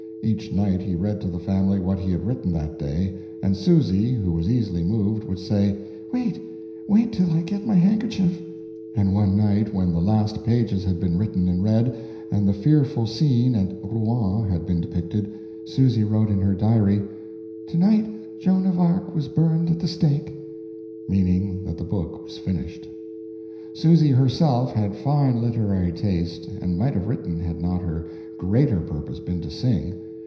Each night he read to the family what he had written that day, and Susy, who was easily moved, would say, "Wait wait till I get my handkerchief," and one night when the last pages had been written and read, and the fearful scene at Rouen had been depicted, Susy wrote in her diary, "To night Joan of Arc was burned at the stake!" Meaning that the book was finished. Susy herself had fine literary taste, and might have written had not her greater purpose been to sing.